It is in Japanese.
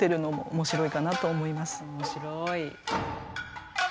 面白い。